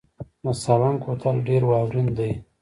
د سالنګ کوتل ډیر واورین دی